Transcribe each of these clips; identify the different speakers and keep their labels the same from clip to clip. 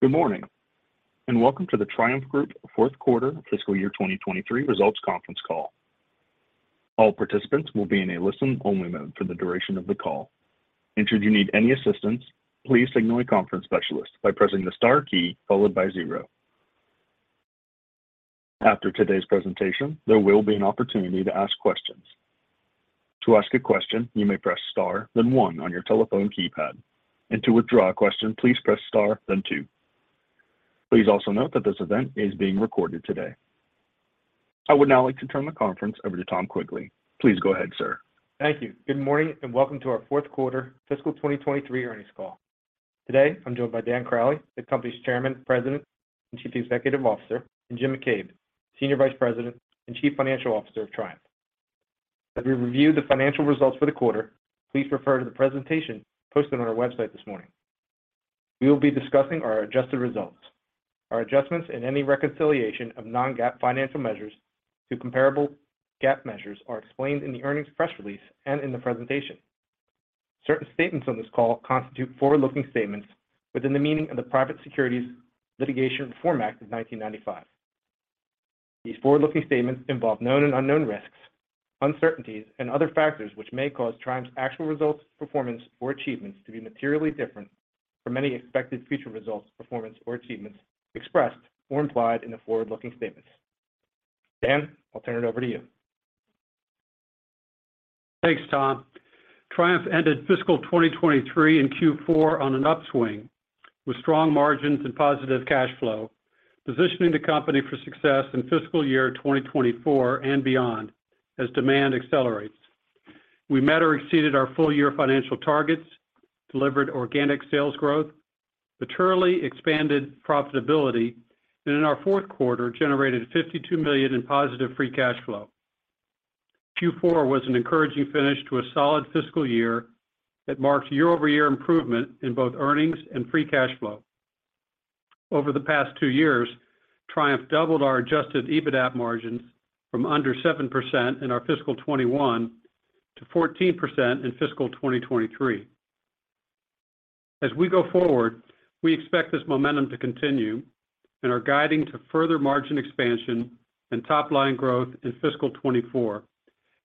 Speaker 1: Good morning, and welcome to the Triumph Group fourth quarter fiscal year 2023 results conference call. All participants will be in a listen-only mode for the duration of the call. Should you need any assistance, please signal a conference specialist by pressing the star key followed by zero. After today's presentation, there will be an opportunity to ask questions. To ask a question, you may press star, then one on your telephone keypad. To withdraw a question, please press star then two. Please also note that this event is being recorded today. I would now like to turn the conference over to Tom Quigley. Please go ahead, sir.
Speaker 2: Thank you. Good morning, welcome to our fourth quarter fiscal 2023 earnings call. Today, I'm joined by Dan Crowley, the company's Chairman, President, and Chief Executive Officer, and Jim McCabe, Senior Vice President and Chief Financial Officer of Triumph. As we review the financial results for the quarter, please refer to the presentation posted on our website this morning. We will be discussing our adjusted results. Our adjustments in any reconciliation of non-GAAP financial measures to comparable GAAP measures are explained in the earnings press release and in the presentation. Certain statements on this call constitute forward-looking statements within the meaning of the Private Securities Litigation Reform Act of 1995. These forward-looking statements involve known and unknown risks, uncertainties, and other factors which may cause Triumph's actual results, performance, or achievements to be materially different from any expected future results, performance, or achievements expressed or implied in the forward-looking statements. Dan, I'll turn it over to you.
Speaker 3: Thanks, Tom. Triumph ended fiscal 2023 in Q4 on an upswing with strong margins and positive cash flow, positioning the company for success in fiscal year 2024 and beyond as demand accelerates. We met or exceeded our full year financial targets, delivered organic sales growth, materially expanded profitability, and in our fourth quarter generated $52 million in positive free cash flow. Q4 was an encouraging finish to a solid fiscal year that marks year-over-year improvement in both earnings and free cash flow. Over the past two years, Triumph doubled our adjusted EBITDA margins from under 7% in our fiscal 2021 to 14% in fiscal 2023. As we go forward, we expect this momentum to continue and are guiding to further margin expansion and top line growth in fiscal 2024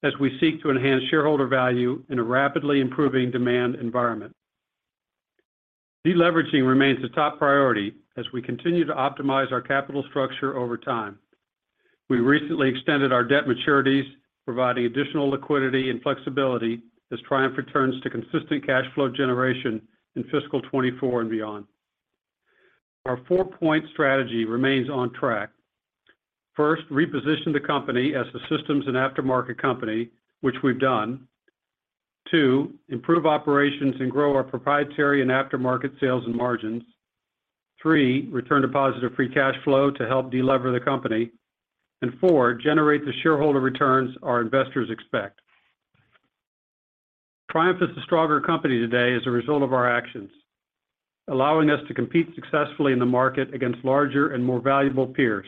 Speaker 3: as we seek to enhance shareholder value in a rapidly improving demand environment. Deleveraging remains a top priority as we continue to optimize our capital structure over time. We recently extended our debt maturities, providing additional liquidity and flexibility as Triumph returns to consistent cash flow generation in fiscal 2024 and beyond. Our four-point strategy remains on track. First, reposition the company as a systems and aftermarket company, which we've done. Two, improve operations and grow our proprietary and aftermarket sales and margins. Three, return to positive free cash flow to help delever the company. Four, generate the shareholder returns our investors expect. Triumph is a stronger company today as a result of our actions, allowing us to compete successfully in the market against larger and more valuable peers.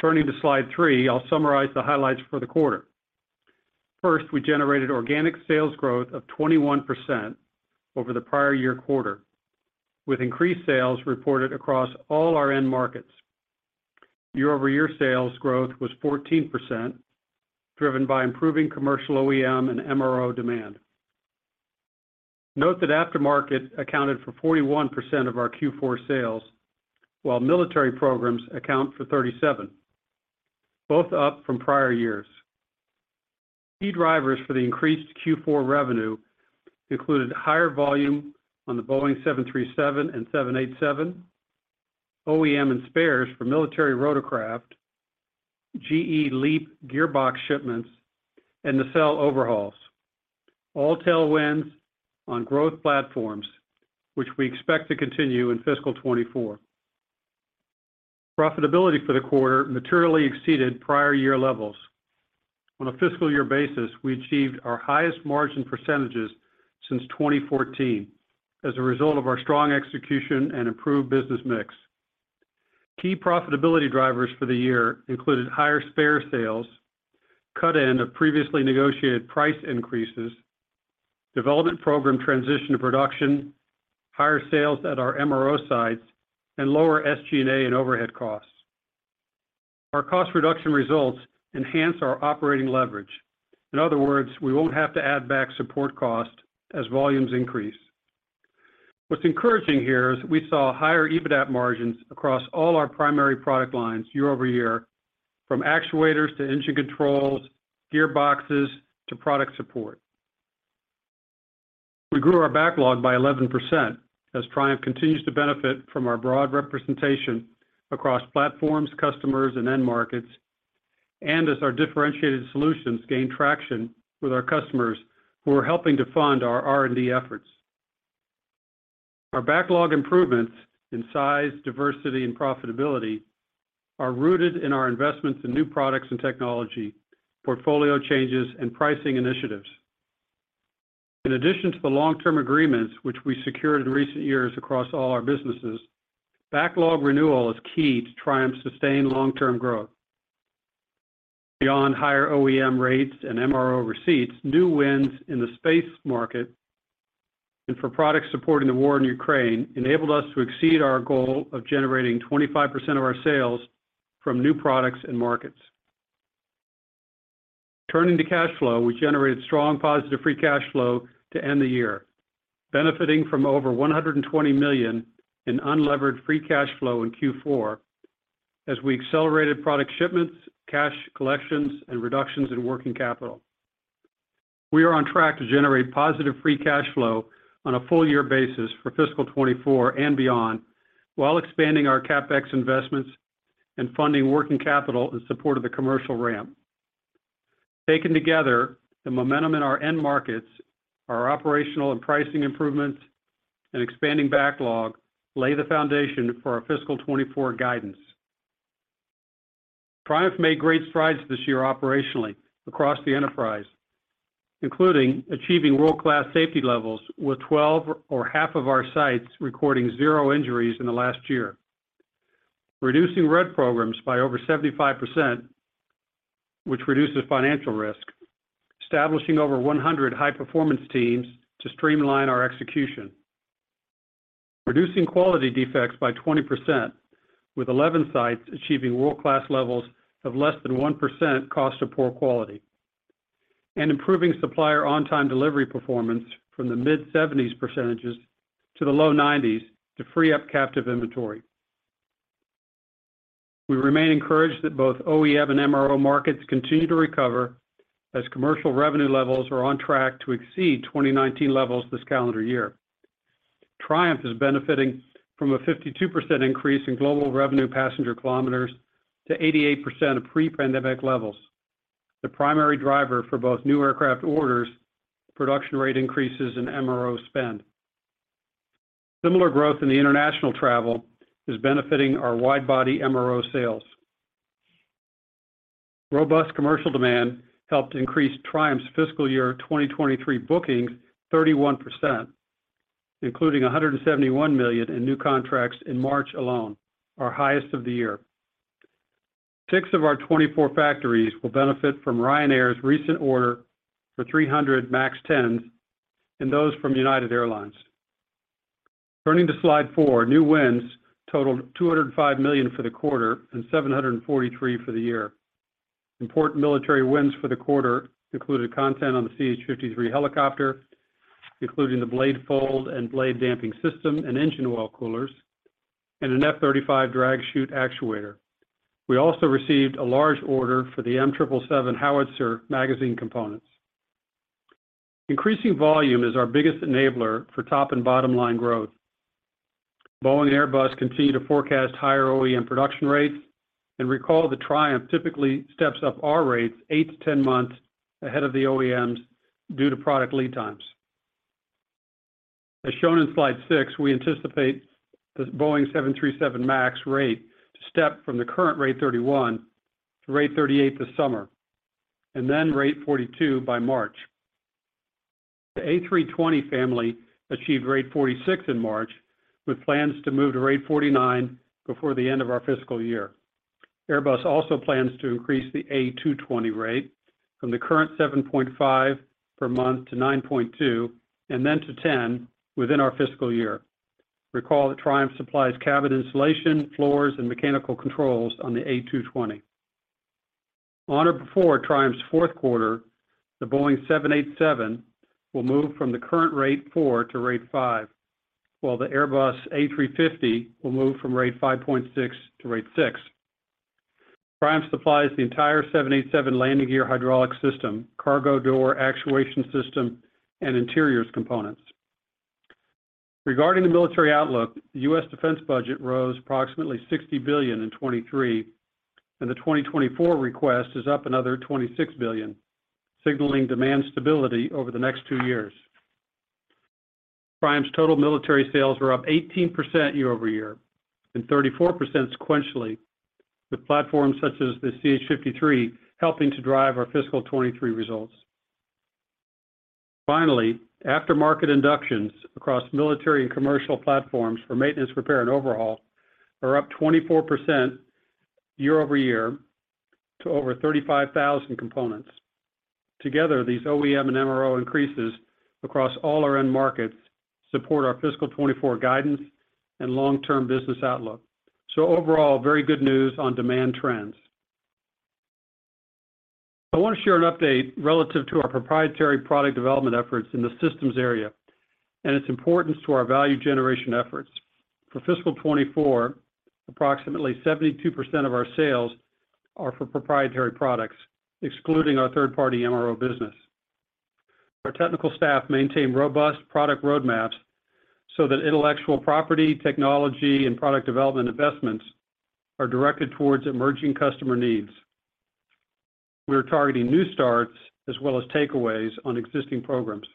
Speaker 3: Turning to slide three, I'll summarize the highlights for the quarter. We generated organic sales growth of 21% over the prior year quarter, with increased sales reported across all our end markets. Year-over-year sales growth was 14%, driven by improving commercial OEM and MRO demand. Note that aftermarket accounted for 41% of our Q4 sales, while military programs account for 37%, both up from prior years. Key drivers for the increased Q4 revenue included higher volume on the Boeing 737 and 787, OEM and spares for military rotorcraft, GE LEAP gearbox shipments, and nacelle overhauls. All tailwinds on growth platforms, which we expect to continue in fiscal 2024. Profitability for the quarter materially exceeded prior year levels. On a fiscal year basis, we achieved our highest margin percentages since 2014 as a result of our strong execution and improved business mix. Key profitability drivers for the year included higher spare sales, cut-in of previously negotiated price increases, development program transition to production, higher sales at our MRO sites, and lower SG&A and overhead costs. Our cost reduction results enhance our operating leverage. In other words, we won't have to add back support cost as volumes increase. What's encouraging here is we saw higher EBITDA margins across all our primary product lines year-over-year from actuators to engine controls, gearboxes to product support. We grew our backlog by 11% as Triumph continues to benefit from our broad representation across platforms, customers, and end markets, and as our differentiated solutions gain traction with our customers who are helping to fund our R&D efforts. Our backlog improvements in size, diversity, and profitability are rooted in our investments in new products and technology, portfolio changes, and pricing initiatives. In addition to the long-term agreements which we secured in recent years across all our businesses, backlog renewal is key to Triumph's sustained long-term growth. Beyond higher OEM rates and MRO receipts, new wins in the space market and for products supporting the war in Ukraine enabled us to exceed our goal of generating 25% of our sales from new products and markets. Turning to cash flow, we generated strong positive free cash flow to end the year, benefiting from over $120 million in unlevered free cash flow in Q4 as we accelerated product shipments, cash collections, and reductions in working capital. We are on track to generate positive free cash flow on a full year basis for fiscal 2024 and beyond while expanding our CapEx investments and funding working capital in support of the commercial ramp. Taken together, the momentum in our end markets, our operational and pricing improvements, and expanding backlog lay the foundation for our fiscal 2024 guidance. Triumph made great strides this year operationally across the enterprise, including achieving world-class safety levels with 12 or half of our sites recording 0 injuries in the last year. Reducing red programs by over 75%, which reduces financial risk. Establishing over 100 high-performance teams to streamline our execution. Reducing quality defects by 20%, with 11 sites achieving world-class levels of less than 1% cost of poor quality. Improving supplier on-time delivery performance from the mid-70s% to the low 90s to free up captive inventory. We remain encouraged that both OEM and MRO markets continue to recover as commercial revenue levels are on track to exceed 2019 levels this calendar year. Triumph is benefiting from a 52% increase in global revenue passenger kilometers to 88% of pre-pandemic levels, the primary driver for both new aircraft orders, production rate increases, and MRO spend. Similar growth in the international travel is benefiting our wide-body MRO sales. Robust commercial demand helped increase Triumph's fiscal year 2023 bookings 31%, including $171 million in new contracts in March alone, our highest of the year. Six of our 24 factories will benefit from Ryanair's recent order for 300 MAX 10s and those from United Airlines. Turning to Slide 4, new wins totaled $205 million for the quarter and $743 million for the year. Important military wins for the quarter included content on the CH-53 helicopter, including the blade fold and blade damping system and engine oil coolers, and an F-35 drag chute actuator. We also received a large order for the M777 howitzer magazine components. Increasing volume is our biggest enabler for top and bottom line growth. Boeing and Airbus continue to forecast higher OEM production rates. Recall that Triumph typically steps up our rates eight to 10-months ahead of the OEMs due to product lead times. As shown in Slide 6, we anticipate the Boeing 737 MAX rate to step from the current rate 31 to rate 38 this summer, and then rate 42 by March. The A320 family achieved rate 46 in March, with plans to move to rate 49 before the end of our fiscal year. Airbus also plans to increase the A220 rate from the current 7.5 per month to 9.2, and then to 10 within our fiscal year. Recall that Triumph supplies cabin insulation, floors, and mechanical controls on the A220. On or before Triumph's fourth quarter, the Boeing 787 will move from the current rate four to rate five, while the Airbus A350 will move from rate 5.6 to rate six. Triumph supplies the entire 787 landing gear hydraulic system, cargo door actuation system, and Interiors components. Regarding the military outlook, the U.S. Defense Budget rose approximately $60 billion in 2023, and the 2024 request is up another $26 billion, signaling demand stability over the next two years. Triumph's total military sales were up 18% year-over-year and 34% sequentially, with platforms such as the CH-53 helping to drive our fiscal 2023 results. Finally, after-market inductions across military and commercial platforms for maintenance, repair, and overhaul are up 24% year-over-year to over 35,000 components. Together, these OEM and MRO increases across all our end markets support our fiscal 2024 guidance and long-term business outlook. Overall, very good news on demand trends. I want to share an update relative to our proprietary product development efforts in the systems area and its importance to our value generation efforts. For fiscal 2024, approximately 72% of our sales are for proprietary products, excluding our third-party MRO business. Our technical staff maintain robust product roadmaps so that intellectual property, technology, and product development investments are directed towards emerging customer needs. We are targeting new starts as well as takeaways on existing programs.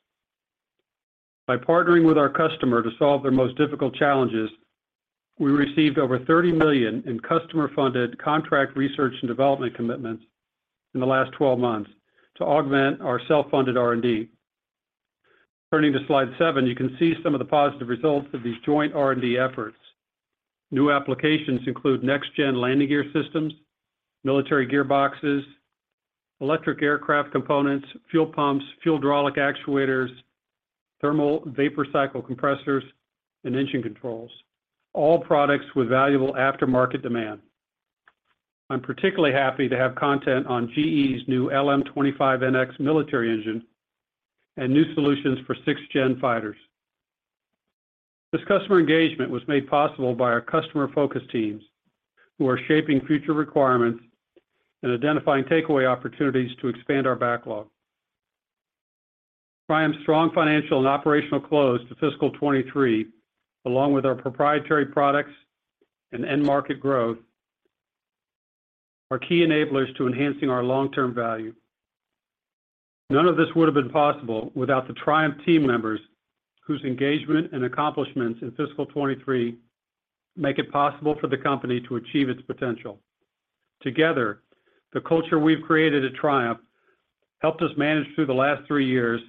Speaker 3: By partnering with our customer to solve their most difficult challenges, we received over $30 million in customer-funded contract research and development commitments in the last 12-months to augment our self-funded R&D. Turning to Slide 7, you can see some of the positive results of these joint R&D efforts. New applications include next-gen landing gear systems, military gearboxes, electric aircraft components, fuel pumps, fuel hydraulic actuators, thermal vapor cycle compressors, and engine controls. All products with valuable aftermarket demand. I'm particularly happy to have content on GE's new LM2500 military engine and new solutions for sixth-gen fighters. This customer engagement was made possible by our customer focus teams who are shaping future requirements and identifying takeaway opportunities to expand our backlog. Triumph's strong financial and operational close to fiscal 2023, along with our proprietary products and end market growth, are key enablers to enhancing our long-term value. None of this would have been possible without the Triumph team members whose engagement and accomplishments in fiscal 2023 make it possible for the company to achieve its potential. Together, the culture we've created at Triumph helped us manage through the last three years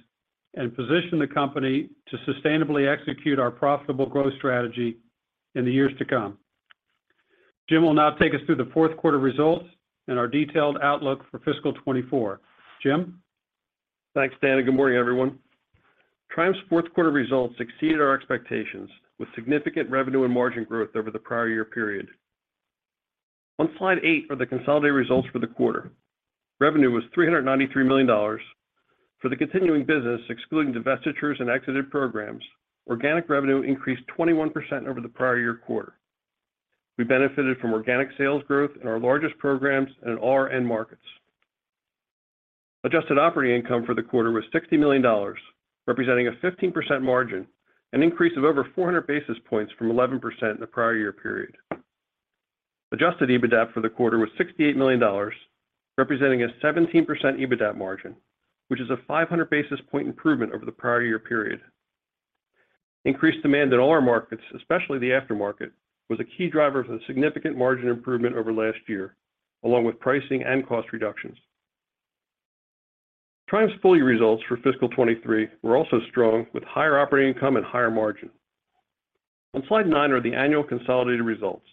Speaker 3: and position the company to sustainably execute our profitable growth strategy in the years to come. Jim will now take us through the fourth quarter results and our detailed outlook for fiscal 2024. Jim?
Speaker 4: Thanks, Dan, good morning, everyone. Triumph's fourth quarter results exceeded our expectations with significant revenue and margin growth over the prior year period. On Slide 8 are the consolidated results for the quarter. Revenue was $393 million. For the continuing business, excluding divestitures and exited programs, organic revenue increased 21% over the prior year quarter. We benefited from organic sales growth in our largest programs and in all our end markets. Adjusted operating income for the quarter was $60 million, representing a 15% margin, an increase of over 400 basis points from 11% in the prior year period. Adjusted EBITDA for the quarter was $68 million, representing a 17% EBITDA margin, which is a 500 basis point improvement over the prior year period. Increased demand in all our markets, especially the aftermarket, was a key driver for the significant margin improvement over last year, along with pricing and cost reductions. Triumph's full year results for fiscal 2023 were also strong with higher operating income and higher margin. On slide 9 are the annual consolidated results.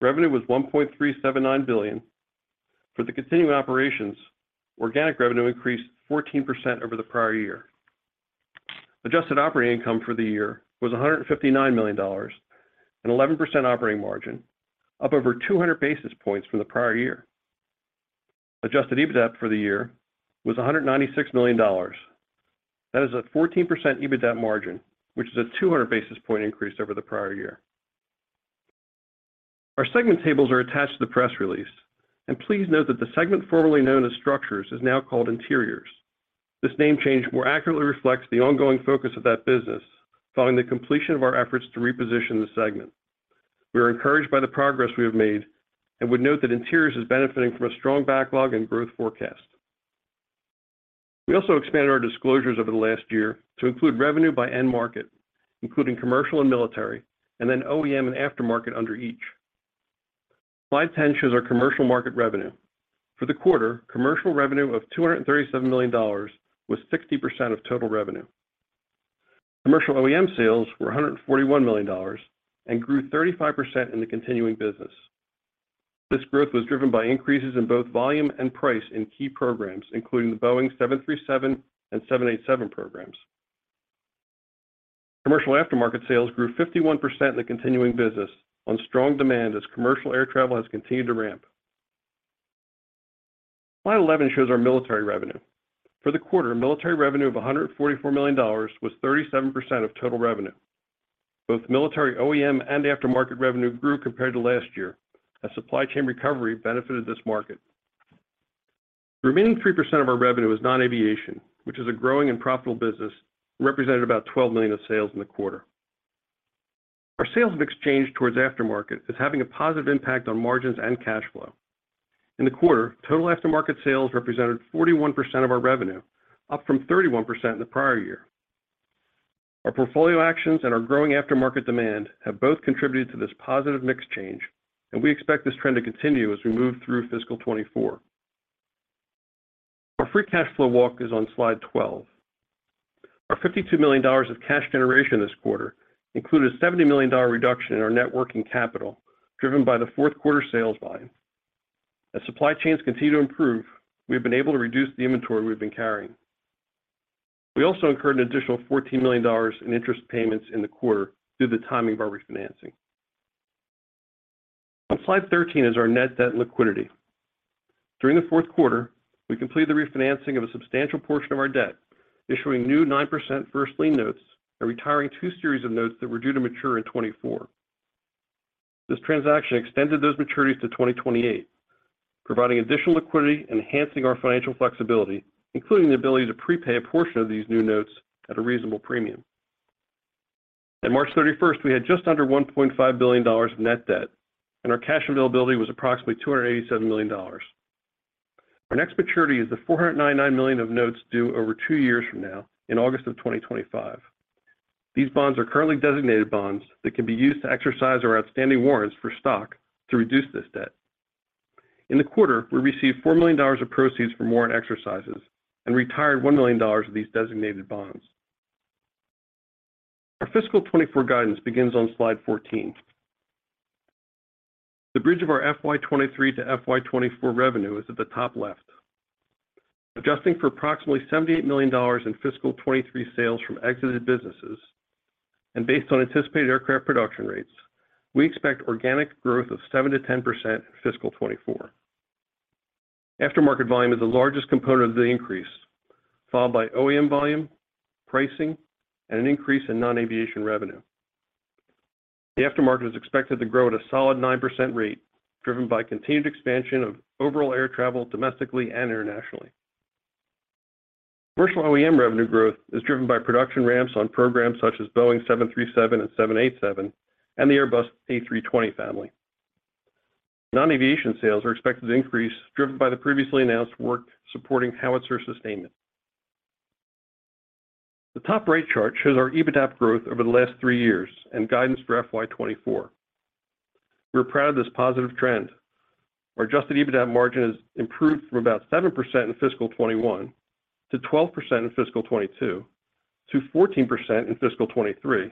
Speaker 4: Revenue was $1.379 billion. For the continuing operations, organic revenue increased 14% over the prior year. Adjusted operating income for the year was $159 million, an 11% operating margin, up over 200 basis points from the prior year. Adjusted EBITDA for the year was $196 million. That is a 14% EBITDA margin, which is a 200 basis point increase over the prior year. Our segment tables are attached to the press release, please note that the segment formerly known as Structures is now called Interiors. This name change more accurately reflects the ongoing focus of that business following the completion of our efforts to reposition the segment. We are encouraged by the progress we have made and would note that Interiors is benefiting from a strong backlog and growth forecast. We also expanded our disclosures over the last year to include revenue by end market, including commercial and military, then OEM and aftermarket under each. Slide 10 shows our commercial market revenue. For the quarter, commercial revenue of $237 million was 60% of total revenue. Commercial OEM sales were $141 million and grew 35% in the continuing business. This growth was driven by increases in both volume and price in key programs, including the Boeing 737 and 787 programs. Commercial aftermarket sales grew 51% in the continuing business on strong demand as commercial air travel has continued to ramp. Slide 11 shows our military revenue. For the quarter, military revenue of $144 million was 37% of total revenue. Both military OEM and aftermarket revenue grew compared to last year as supply chain recovery benefited this market. The remaining 3% of our revenue is non-aviation, which is a growing and profitable business, represented about $12 million of sales in the quarter. Our sales have exchanged towards aftermarket as having a positive impact on margins and cash flow. In the quarter, total aftermarket sales represented 41% of our revenue, up from 31% in the prior year. Our portfolio actions and our growing aftermarket demand have both contributed to this positive mix change. We expect this trend to continue as we move through fiscal 2024. Our free cash flow walk is on Slide 12. Our $52 million of cash generation this quarter include a $70 million reduction in our net working capital, driven by the fourth quarter sales volume. As supply chains continue to improve, we have been able to reduce the inventory we've been carrying. We also incurred an additional $14 million in interest payments in the quarter due to the timing of our refinancing. On Slide 13 is our net debt and liquidity. During the fourth quarter, we completed the refinancing of a substantial portion of our debt, issuing new 9% first lien notes and retiring two series of notes that were due to mature in 2024. This transaction extended those maturities to 2028, providing additional liquidity, enhancing our financial flexibility, including the ability to prepay a portion of these new notes at a reasonable premium. At March 31st, we had just under $1.5 billion net debt, and our cash availability was approximately $287 million. Our next maturity is the $499 million of notes due over two years from now in August of 2025. These bonds are currently designated bonds that can be used to exercise our outstanding warrants for stock to reduce this debt. In the quarter, we received $4 million of proceeds from warrant exercises and retired $1 million of these designated bonds. Our fiscal 2024 guidance begins on Slide 14. The bridge of our FY 2023 to FY 2024 revenue is at the top left. Adjusting for approximately $78 million in fiscal 2023 sales from exited businesses and based on anticipated aircraft production rates, we expect organic growth of 7%-10% in fiscal 2024. Aftermarket volume is the largest component of the increase, followed by OEM volume, pricing, and an increase in non-aviation revenue. The aftermarket is expected to grow at a solid 9% rate, driven by continued expansion of overall air travel domestically and internationally. Commercial OEM revenue growth is driven by production ramps on programs such as Boeing's 737 and 787 and the Airbus A320 family. Non-aviation sales are expected to increase, driven by the previously announced work supporting howitzer sustainment. The top right chart shows our EBITDA growth over the last three years and guidance for FY 2024. We're proud of this positive trend. Our adjusted EBITDA margin has improved from about 7% in fiscal 2021 to 12% in fiscal 2022 to 14% in fiscal 2023.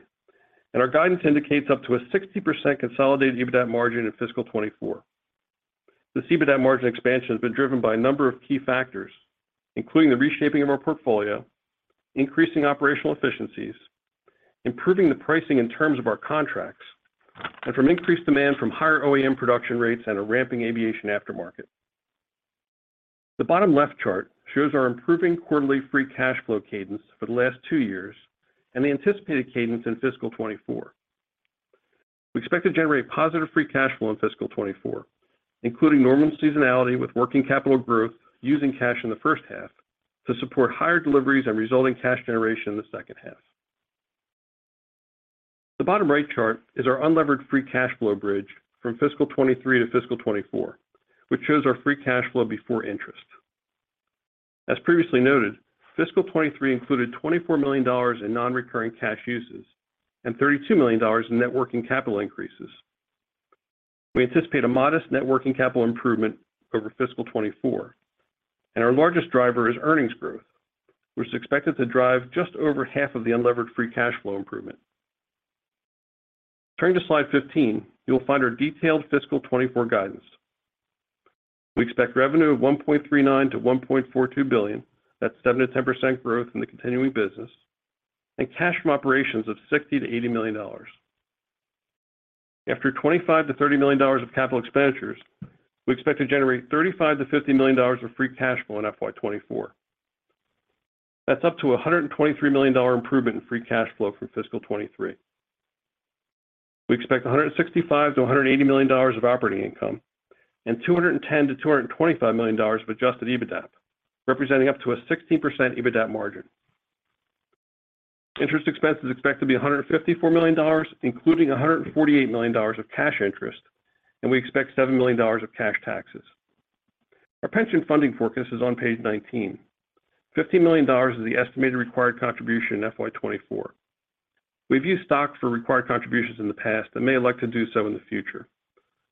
Speaker 4: Our guidance indicates up to a 60% consolidated EBITDA margin in fiscal 2024. This EBITDA margin expansion has been driven by a number of key factors, including the reshaping of our portfolio, increasing operational efficiencies, improving the pricing and terms of our contracts, and from increased demand from higher OEM production rates and a ramping aviation aftermarket. The bottom left chart shows our improving quarterly free cash flow cadence for the last two years and the anticipated cadence in fiscal 2024. We expect to generate positive free cash flow in fiscal 2024, including normal seasonality with working capital growth using cash in the first half to support higher deliveries and resulting cash generation in the second half. The bottom right chart is our unlevered free cash flow bridge from fiscal 2023 to fiscal 2024, which shows our free cash flow before interest. As previously noted, fiscal 2023 included $24 million in non-recurring cash uses and $32 million in net working capital increases. We anticipate a modest net working capital improvement over fiscal 2024, our largest driver is earnings growth, which is expected to drive just over half of the unlevered free cash flow improvement. Turning to Slide 15, you will find our detailed fiscal 2024 guidance. We expect revenue of $1.39 billion-$1.42 billion, that's 7%-10% growth in the continuing business, and cash from operations of $60 million-$80 million. After $25 million-$30 million of CapEx, we expect to generate $35 million-$50 million of free cash flow in FY 2024. That's up to a $123 million improvement in free cash flow from fiscal 2023. We expect $165 million-$180 million of operating income and $210 million-$225 million of adjusted EBITDA, representing up to a 16% EBITDA margin. Interest expense is expected to be $154 million, including $148 million of cash interest, and we expect $7 million of cash taxes. Our pension funding forecast is on Page 19. $15 million is the estimated required contribution in FY 2024. We've used stock for required contributions in the past and may elect to do so in the future.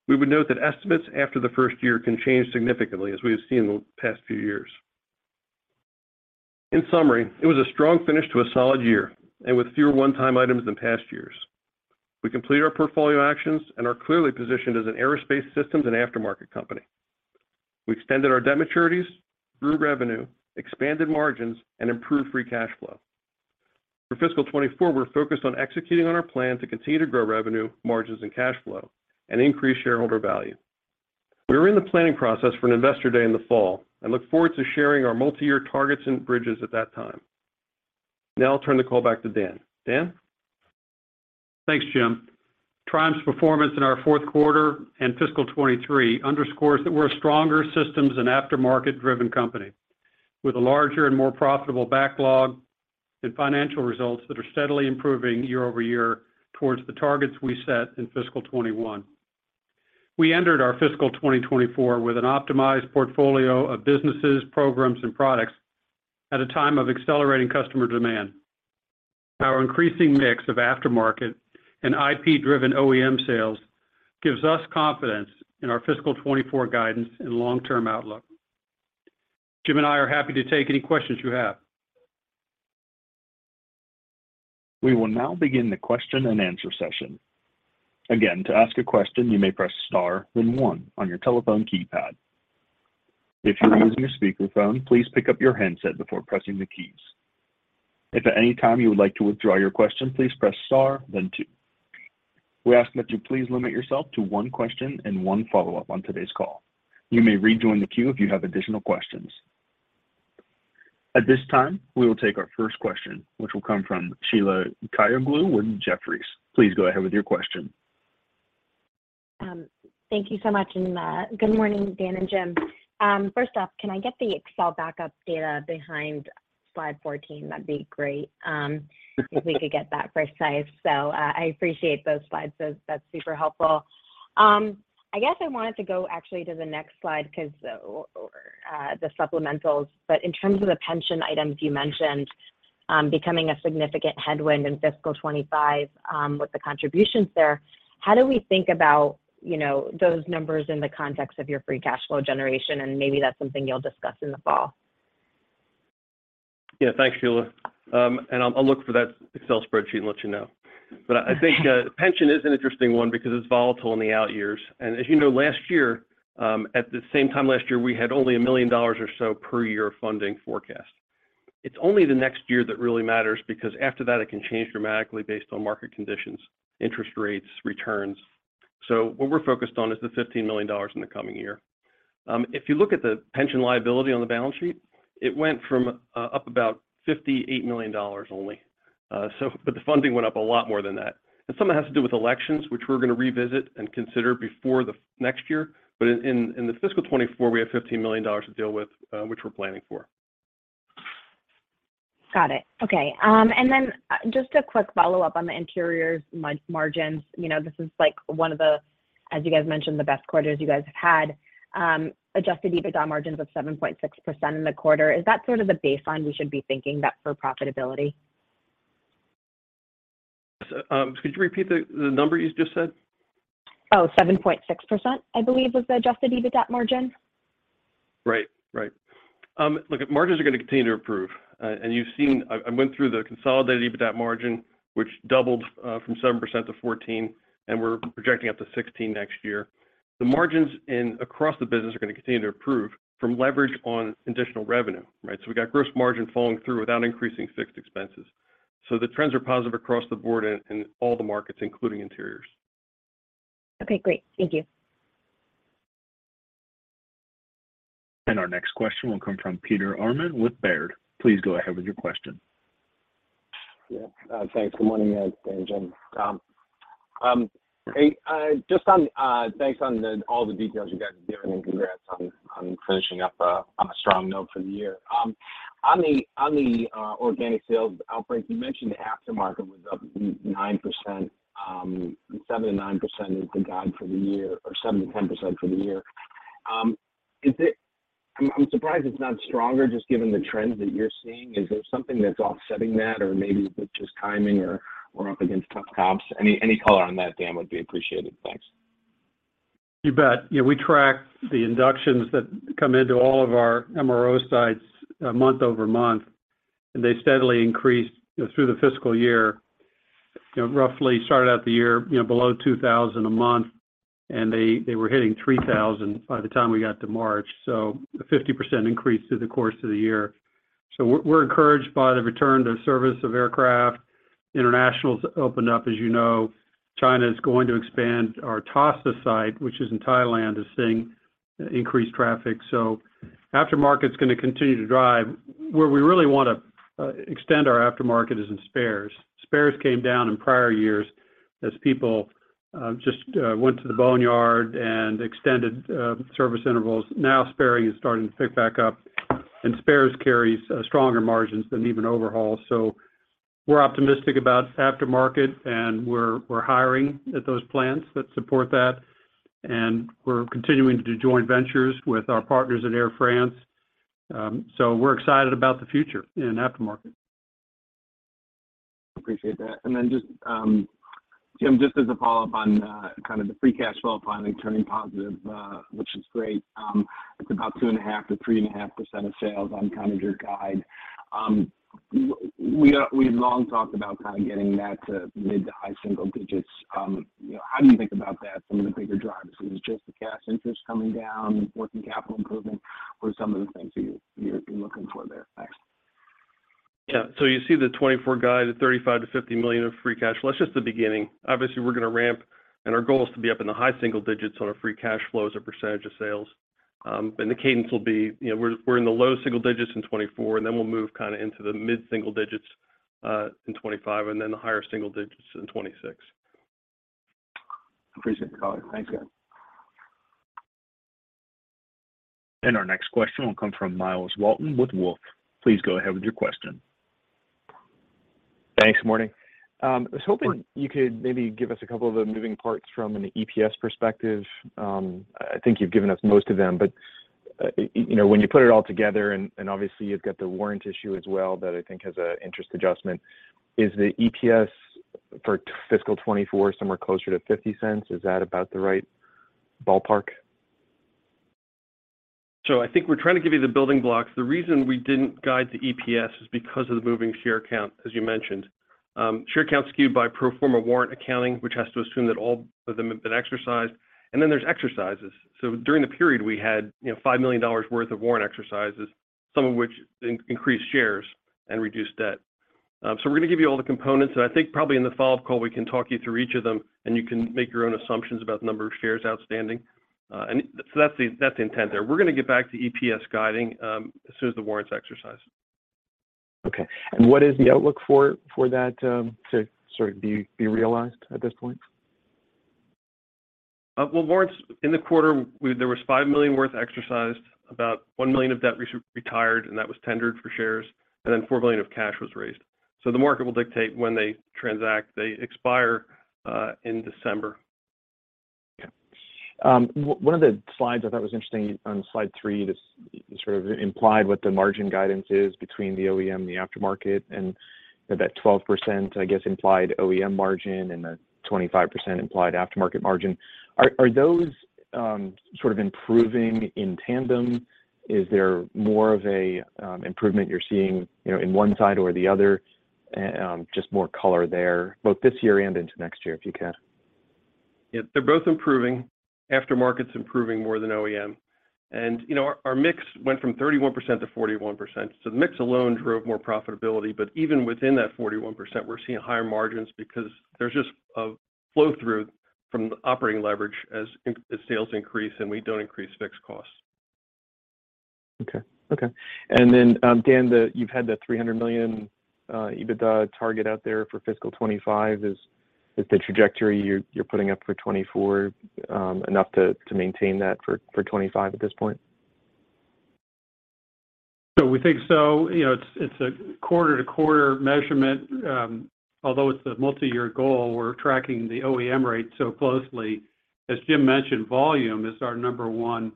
Speaker 4: We would note that estimates after the first year can change significantly, as we have seen in the past few years. In summary, it was a strong finish to a solid year with fewer one-time items than past years. We completed our portfolio actions and are clearly positioned as an aerospace systems and aftermarket company. We extended our debt maturities, grew revenue, expanded margins, and improved free cash flow. For fiscal 2024, we're focused on executing on our plan to continue to grow revenue, margins, and cash flow and increase shareholder value. We are in the planning process for an investor day in the fall and look forward to sharing our multi-year targets and bridges at that time. I'll turn the call back to Dan. Dan?
Speaker 3: Thanks, Jim. Triumph's performance in our fourth quarter and fiscal 2023 underscores that we're a stronger systems and aftermarket-driven company with a larger and more profitable backlog and financial results that are steadily improving year-over-year towards the targets we set in fiscal 2021. We entered our fiscal 2024 with an optimized portfolio of businesses, programs, and products at a time of accelerating customer demand. Our increasing mix of aftermarket and IP-driven OEM sales gives us confidence in our fiscal 2024 guidance and long-term outlook. Jim and I are happy to take any questions you have.
Speaker 1: We will now begin the question-and-answer session. Again, to ask a question, you may press star then one on your telephone keypad. If you are using a speakerphone, please pick up your handset before pressing the keys. If at any time you would like to withdraw your question, please press star then two. We ask that you please limit yourself to one question and one follow-up on today's call. You may rejoin the queue if you have additional questions. At this time, we will take our first question, which will come from Sheila Kahyaoglu with Jefferies. Please go ahead with your question.
Speaker 5: Thank you so much. Good morning, Dan Crowley and Jim McCabe. First off, can I get the Excel backup data behind slide 14? That'd be great if we could get that for size. I appreciate those slides. That's super helpful. I guess I wanted to go actually to the next slide because the supplementals, but in terms of the pension items you mentioned becoming a significant headwind in fiscal 2025 with the contributions there. How do we think about, you know, those numbers in the context of your free cash flow generation? Maybe that's something you'll discuss in the fall.
Speaker 4: Thanks, Sheila. I'll look for that Excel spreadsheet and let you know. Pension is an interesting one because it's volatile in the out years. As you know, last year, at the same time last year, we had only $1 million or so per year funding forecast. It's only the next year that really matters because after that, it can change dramatically based on market conditions, interest rates, returns. What we're focused on is the $15 million in the coming year. If you look at the pension liability on the balance sheet, it went up about $58 million only. The funding went up a lot more than that. Some of it has to do with elections, which we're gonna revisit and consider before the next year. In the fiscal 2024, we have $15 million to deal with, which we're planning for.
Speaker 5: Got it. Okay. Just a quick follow-up on the Interiors margins. You know, this is like one of the, as you guys mentioned, the best quarters you guys have had. Adjusted EBITDA margins of 7.6% in the quarter, is that sort of the baseline we should be thinking about for profitability?
Speaker 4: Could you repeat the number you just said?
Speaker 5: Oh, 7.6%, I believe was the adjusted EBITDA margin.
Speaker 4: Right. Right. Look, margins are gonna continue to improve. You've seen I went through the consolidated EBITDA margin, which doubled, from 7%-14%, and we're projecting up to 16% next year. The margins across the business are gonna continue to improve from leverage on additional revenue, right? We've got gross margin falling through without increasing fixed expenses. The trends are positive across the board and in all the markets, including Interiors.
Speaker 5: Okay, great. Thank you.
Speaker 1: Our next question will come from Peter Arment with Baird. Please go ahead with your question.
Speaker 6: Yeah. Thanks. Good morning, guys. Dan, Jim. Hey, just on, thanks on the, all the details you guys have given, congrats on finishing up, on a strong note for the year. On the, on the organic sales outbreaks, you mentioned aftermarket was up 9%. 7%-9% is the guide for the year or 7%-10% for the year. I'm surprised it's not stronger just given the trends that you're seeing. Is there something that's offsetting that or maybe with just timing or we're up against tough comps? Any, any color on that, Dan, would be appreciated. Thanks.
Speaker 3: You bet. We track the inductions that come into all of our MRO sites, month-over-month, and they steadily increase, you know, through the fiscal year. Roughly started out the year, you know, below 2,000 a month, and they were hitting 3,000 by the time we got to March, so a 50% increase through the course of the year. We're encouraged by the return to service of aircraft. International's opened up, as you know. China is going to expand. Our TASA site, which is in Thailand, is seeing increased traffic. Aftermarket's gonna continue to drive. Where we really wanna extend our aftermarket is in spares. Spares came down in prior years as people just went to the boneyard and extended service intervals. Sparing is starting to pick back up, and spares carries stronger margins than even overhauls. We're optimistic about aftermarket, and we're hiring at those plants that support that. We're continuing to do joint ventures with our partners at Air France. We're excited about the future in aftermarket.
Speaker 6: Just, Jim, just as a follow-up on kind of the free cash flow finally turning positive, which is great. It's about 2.5%-3.5% of sales on kind of your guide. We've long talked about kind of getting that to mid to high single digits. You know, how do you think about that, some of the bigger drivers? Is it just the cash interest coming down, working capital improvement, or some of the things that you're looking for there? Thanks.
Speaker 4: You see the 2024 guide at $35 million-$50 million of free cash flow. That's just the beginning. Obviously, we're gonna ramp, and our goal is to be up in the high single digits on our free cash flow as a percentage of sales. The cadence will be, you know, we're in the low single digits in 2024, and then we'll move kind of into the mid single digits in 2025, and then the higher single digits in 2026.
Speaker 6: Appreciate the color. Thanks, guys.
Speaker 1: Our next question will come from Myles Walton with Wolfe Research. Please go ahead with your question.
Speaker 7: Thanks. Morning.
Speaker 4: Sure
Speaker 7: You could maybe give us a couple of the moving parts from an EPS perspective. I think you've given us most of them. you know, when you put it all together, and obviously you've got the warrant issue as well that I think has a interest adjustment, is the EPS for fiscal 2024 somewhere closer to $0.50? Is that about the right ballpark?
Speaker 4: I think we're trying to give you the building blocks. The reason we didn't guide the EPS is because of the moving share count, as you mentioned. Share count's skewed by pro forma warrant accounting, which has to assume that all of them have been exercised. Then there's exercises. During the period, we had, you know, $5 million worth of warrant exercises, some of which increased shares and reduced debt. We're gonna give you all the components, and I think probably in the follow-up call, we can talk you through each of them, and you can make your own assumptions about number of shares outstanding. That's the, that's the intent there. We're gonna get back to EPS guiding, as soon as the warrant's exercised.
Speaker 7: Okay. What is the outlook for that to sort of be realized at this point?
Speaker 4: Well, warrants in the quarter, there was $5 million worth exercised, about $1 million of debt re-retired, and that was tendered for shares, and then $4 million of cash was raised. The market will dictate when they transact. They expire in December.
Speaker 7: One of the slides I thought was interesting on slide 3, this sort of implied what the margin guidance is between the OEM and the aftermarket, and that 12% I guess implied OEM margin and the 25% implied aftermarket margin. Are those sort of improving in tandem? Is there more of an improvement you're seeing, you know, in one side or the other? Just more color there, both this year and into next year, if you can.
Speaker 4: Yeah. They're both improving. Aftermarket's improving more than OEM. You know, our mix went from 31%-41%, so the mix alone drove more profitability. Even within that 41%, we're seeing higher margins because there's just a flow-through from the operating leverage as sales increase, and we don't increase fixed costs.
Speaker 7: Okay. Okay. Dan, you've had the $300 million EBITDA target out there for fiscal 2025. Is the trajectory you're putting up for 2024 enough to maintain that for 2025 at this point?
Speaker 3: We think so. You know, it's a quarter-to-quarter measurement. Although it's a multiyear goal, we're tracking the OEM rate so closely. As Jim mentioned, volume is our number 1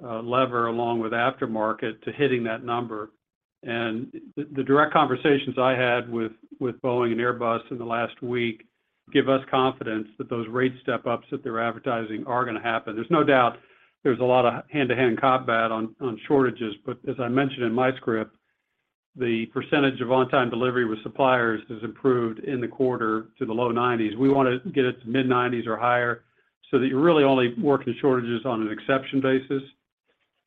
Speaker 3: lever along with aftermarket to hitting that number. The direct conversations I had with Boeing and Airbus in the last week give us confidence that those rate step-ups that they're advertising are going to happen. There's no doubt there's a lot of hand-to-hand combat on shortages, but as I mentioned in my script, the percentage of on-time delivery with suppliers has improved in the quarter to the low 90s. We want to get it to mid-90s or higher so that you're really only working shortages on an exception basis.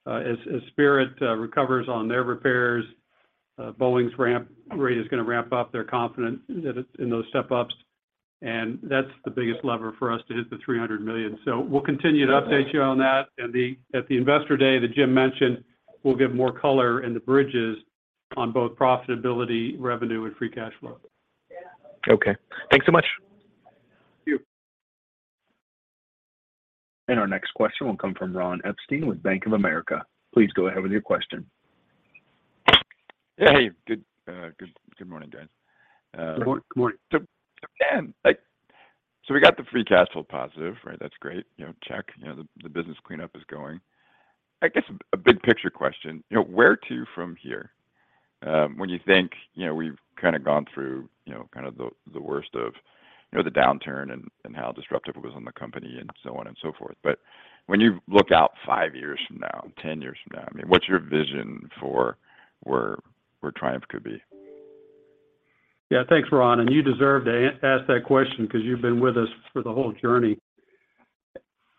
Speaker 3: As Spirit AeroSystems recovers on their repairs, Boeing's ramp rate is going to ramp up. They're confident that it's in those step-ups. That's the biggest lever for us to hit the $300 million. We'll continue to update you on that. At the Investor Day that Jim mentioned, we'll give more color and the bridges on both profitability, revenue, and free cash flow.
Speaker 7: Okay. Thanks so much.
Speaker 3: Thank you.
Speaker 1: Our next question will come from Ron Epstein with Bank of America. Please go ahead with your question.
Speaker 8: Hey, good morning, guys.
Speaker 3: Good morning. Good morning.
Speaker 8: Dan, like, we got the free cash flow positive, right? That's great. You know, check, the business cleanup is going. I guess a big picture question. You know, where to from here, when you think, you know, we've gone through, you know, the worst of, you know, the downturn and how disruptive it was on the company and so on and so forth. When you look out five years from now, 10-years from now, I mean, what's your vision for where Triumph could be?
Speaker 3: Yeah. Thanks, Ron, and you deserve to ask that question 'cause you've been with us for the whole journey.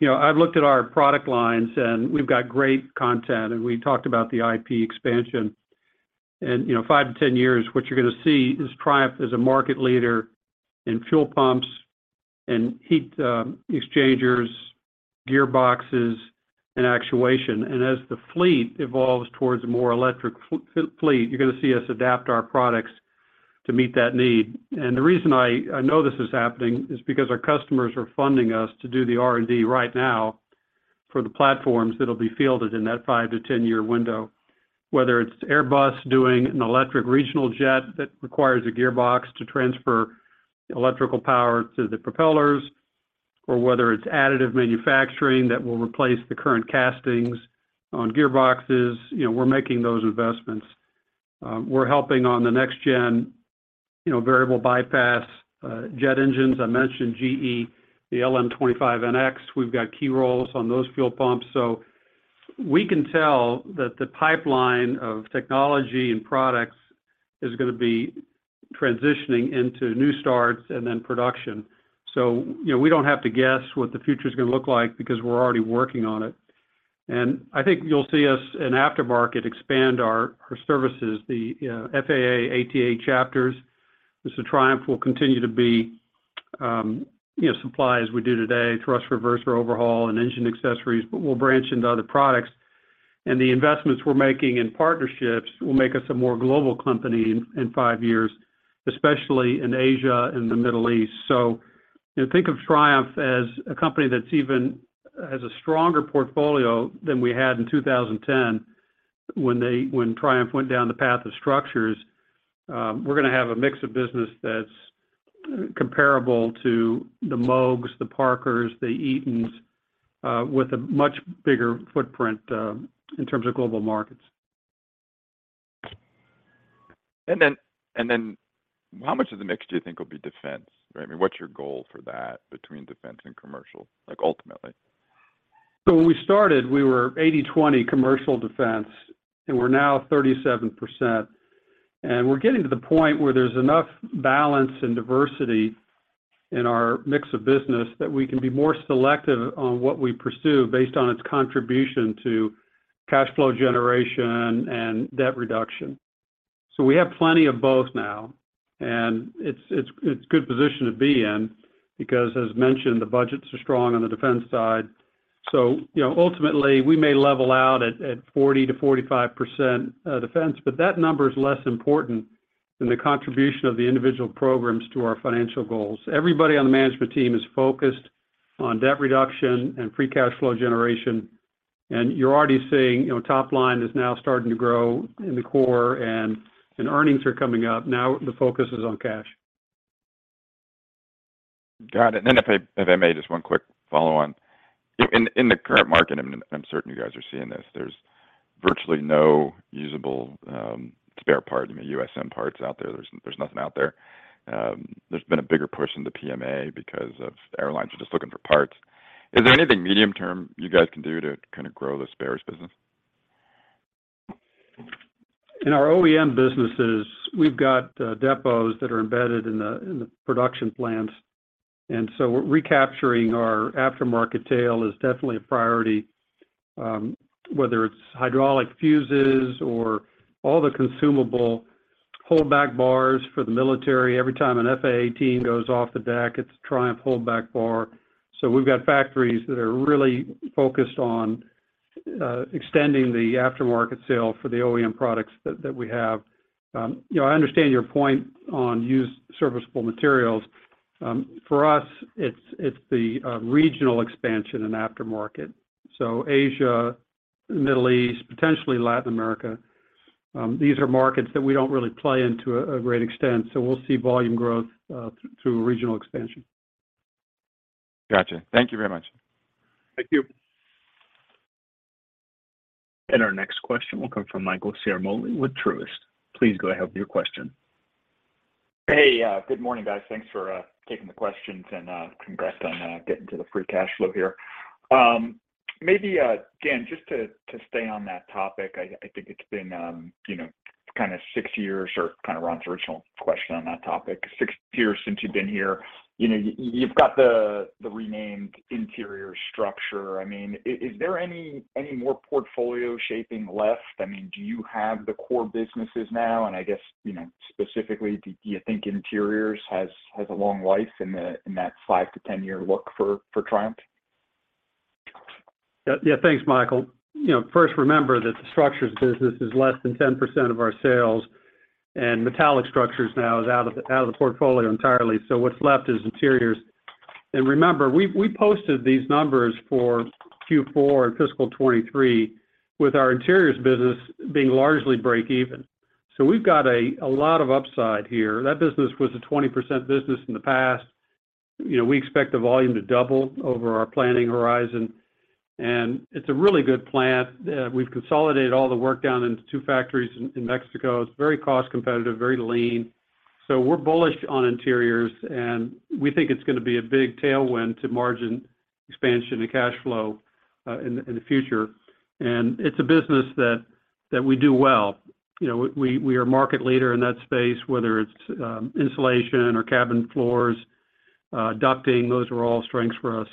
Speaker 3: You know, I've looked at our product lines, and we've got great content, and we talked about the IP expansion. You know, five to 10-years, what you're gonna see is Triumph as a market leader in fuel pumps and heat exchangers, gearboxes, and actuation. As the fleet evolves towards a more electric fleet, you're gonna see us adapt our products to meet that need. The reason I know this is happening is because our customers are funding us to do the R&D right now for the platforms that'll be fielded in that five to 10-year window. Whether it's Airbus doing an electric regional jet that requires a gearbox to transfer electrical power to the propellers, or whether it's additive manufacturing that will replace the current castings on gearboxes, you know, we're making those investments. We're helping on the next gen, you know, variable bypass jet engines. I mentioned GE, the LM2500. We've got key roles on those fuel pumps. We can tell that the pipeline of technology and products is gonna be transitioning into new starts and then production. You know, we don't have to guess what the future's gonna look like because we're already working on it. I think you'll see us in aftermarket expand our services. The FAA, ATA chapters, as a Triumph will continue to be, you know, supply as we do today, thrust reverser overhaul and engine accessories, but we'll branch into other products. The investments we're making in partnerships will make us a more global company in five years, especially in Asia and the Middle East. You know, think of Triumph as a company that's even has a stronger portfolio than we had in 2010 when Triumph went down the path of Structures. We're gonna have a mix of business that's comparable to the Moogs, the Parkers, the Eatons, with a much bigger footprint in terms of global markets.
Speaker 8: How much of the mix do you think will be defense, right? I mean, what's your goal for that between defense and commercial, like, ultimately?
Speaker 3: When we started, we were 80/20 commercial defense, and we're now 37%. We're getting to the point where there's enough balance and diversity in our mix of business that we can be more selective on what we pursue based on its contribution to cash flow generation and debt reduction. We have plenty of both now, and it's a good position to be in because, as mentioned, the budgets are strong on the defense side. You know, ultimately, we may level out at 40%-45% defense, but that number is less important than the contribution of the individual programs to our financial goals. Everybody on the management team is focused on debt reduction and free cash flow generation. You're already seeing, you know, top line is now starting to grow in the core and earnings are coming up. Now the focus is on cash.
Speaker 8: Got it. If I, if I may, just one quick follow-on. In the current market, I'm certain you guys are seeing this, there's virtually no usable spare part, I mean, USM parts out there. There's nothing out there. There's been a bigger push in the PMA because of airlines are just looking for parts. Is there anything medium term you guys can do to kind of grow the spares business?
Speaker 3: In our OEM businesses, we've got depots that are embedded in the production plants. Recapturing our aftermarket tail is definitely a priority. Whether it's hydraulic fuses or all the consumable holdback bars for the military. Every time an F/A-18 goes off the deck, it's a Triumph holdback bar. We've got factories that are really focused on extending the aftermarket sale for the OEM products that we have. You know, I understand your point on used serviceable materials. For us, it's the regional expansion in aftermarket, so Asia, Middle East, potentially Latin America. These are markets that we don't really play in to a great extent. We'll see volume growth through regional expansion.
Speaker 8: Gotcha. Thank you very much.
Speaker 3: Thank you.
Speaker 1: Our next question will come from Michael Ciarmoli with Truist. Please go ahead with your question.
Speaker 9: Hey, good morning, guys. Thanks for taking the questions, and congrats on getting to the free cash flow here. Maybe, again, just to stay on that topic, I think it's been, you know, kind of six years, or kind of Ron's original question on that topic, six years since you've been here. You know, you've got the renamed interior structure. I mean, is there any more portfolio shaping left? I mean, do you have the core businesses now? I guess, you know, specifically, do you think Interiors has a long life in that five to 10-year look for Triumph?
Speaker 3: Yeah. Yeah. Thanks, Michael. You know, first remember that the Structures business is less than 10% of our sales, metallic Structures now is out of the portfolio entirely, what's left is Interiors. Remember, we posted these numbers for Q4 and fiscal 2023 with our Interiors business being largely break even. We've got a lot of upside here. That business was a 20% business in the past. You know, we expect the volume to double over our planning horizon, it's a really good plant. We've consolidated all the work down into two factories in Mexico. It's very cost competitive, very lean. We're bullish on Interiors, we think it's gonna be a big tailwind to margin expansion and cash flow in the future. It's a business that we do well. You know, we are market leader in that space, whether it's insulation or cabin floors, ducting, those are all strengths for us.